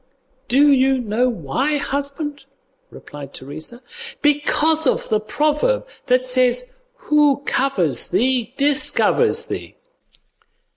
"Do you know why, husband?" replied Teresa; "because of the proverb that says 'who covers thee, discovers thee.